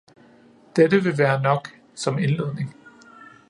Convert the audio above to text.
Dette vil være nok, som indledning.